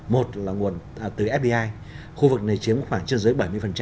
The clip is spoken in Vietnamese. một là nguồn từ fdi khu vực này chiếm khoảng trên dưới bảy mươi